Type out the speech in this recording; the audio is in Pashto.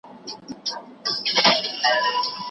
مږور او ميره ولي دائمي محرمات دي؟